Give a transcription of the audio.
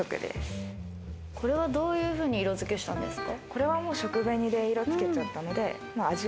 これはどういうふうに色付けしたんですか？